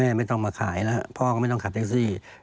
ไม่ต้องมาขายแล้วพ่อก็ไม่ต้องขับแท็กซี่